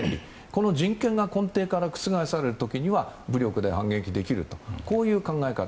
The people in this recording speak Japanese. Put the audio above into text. この人権が根底から覆される時には武力で反撃できるという考え方。